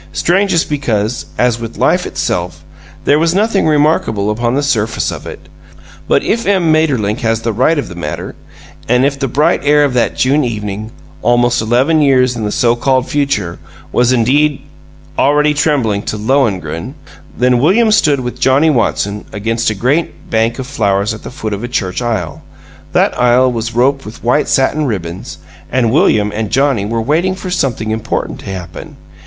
Strangest because, as with life itself, there was nothing remarkable upon the surface of it. But if M. Maeterlinck has the right of the matter, and if the bright air of that June evening, almost eleven years in the so called future, was indeed already trembling to "Lohengrin," then William stood with Johnnie Watson against a great bank of flowers at the foot of a church aisle; that aisle was roped with white satin ribbons; and William and Johnnie were waiting for something important to happen.